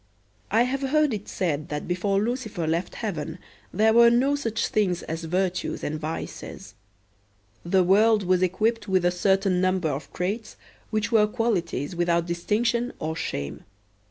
I have heard it said that before Lucifer left Heaven there were no such things as virtues and vices. The world was equipped with a certain number of traits which were qualities without distinction or shame.